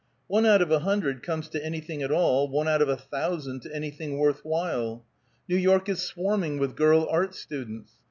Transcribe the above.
One out of a hundred comes to anything at all; one out of a thousand to anything worth while. New York is swarming with girl art students.